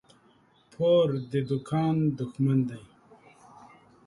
پور د دوکان دښمن دى.